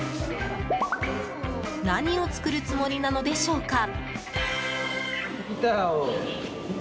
何を作るつもりなのでしょうか。